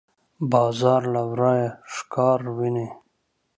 باز له ورايه ښکار ویني